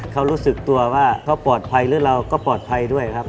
เขารู้สึกตัวว่าเขาปลอดภัยหรือเราก็ปลอดภัยด้วยครับ